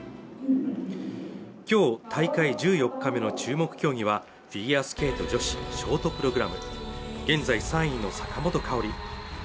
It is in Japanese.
今日大会１４日目の注目競技はフィギュアスケート女子ショートプログラム現在３位の坂本花織